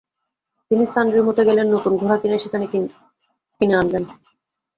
তিনি সান রিমোতে গেলেন নতুন ঘোড়া কিনে সেখানে কিনে আনলেন।